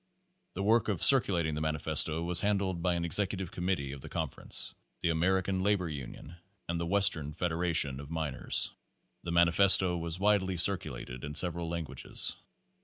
The work of circulating the Manifesto was handled by an executive committee of the conference, the Amer ican Labor Union and the Western Federation of Min ers. The Manifesto was widely circulated in several lan guages.